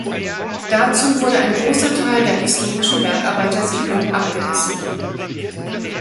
Dazu wurde ein großer Teil der historischen Bergarbeiter-Siedlung abgerissen.